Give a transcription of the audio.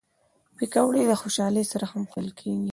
پکورې له خوشحالۍ سره هم خوړل کېږي